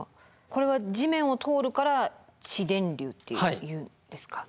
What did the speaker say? これは地面を通るから「地電流」っていうんですか？